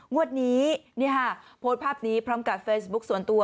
งวดนี้โพสต์ภาพนี้พร้อมกับเฟซบุ๊คส่วนตัว